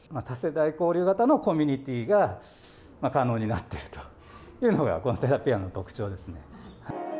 多世代交流型のコミュニティーが、可能になってるというのが、この寺ピアノの特徴ですね。